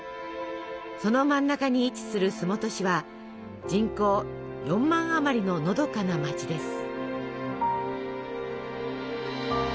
その真ん中に位置する洲本市は人口４万あまりののどかな街です。